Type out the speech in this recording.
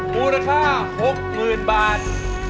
มูลค่าหกหมื่นบาท